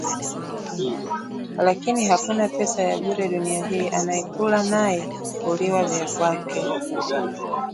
Lakini hakuna pesa ya bure dunia hii ‘anayekula naye huliwa vya kwake’